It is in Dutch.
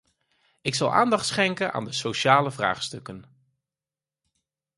Ik zal aandacht schenken aan de sociale vraagstukken.